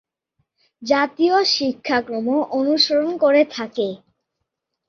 জাতীয় শিক্ষাক্রম অনুসরণ করে থাকে।